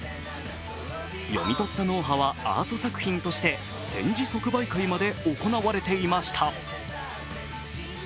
読み取った脳波はアート作品として展示即売会まで行われていました。